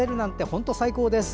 本当に最高です。